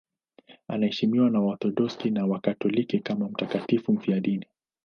Anaheshimiwa na Waorthodoksi na Wakatoliki kama mtakatifu mfiadini.